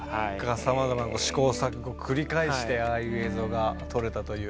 さまざまな試行錯誤を繰り返してああいう映像が撮れたということですけども。